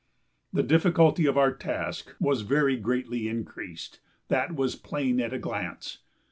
The difficulty of our task was very greatly increased; that was plain at a glance.